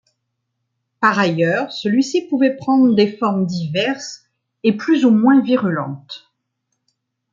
Par ailleurs, celui-ci pouvait prendre des formes diverses et plus ou moins virulentes.